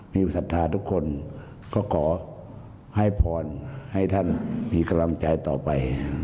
มีศรัทธาทุกคนก็ขอให้พรให้ท่านมีกำลังใจต่อไป